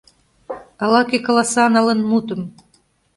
Ала-кӧ каласа налын мутым: